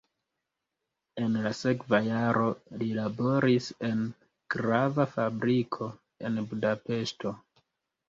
En la sekva jaro li laboris en grava fabriko en Budapeŝto.